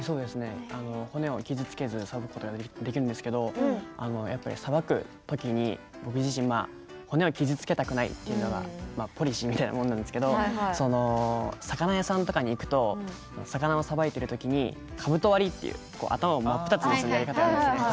骨を傷つけずにさばくことができるんですけどさばく時に僕自身、骨を傷つけたくないというのがポリシーみたいなものなんですが魚屋さんとかに行くと魚をさばくときにかぶと割りって頭を真っ二つにするやり方があるんですね。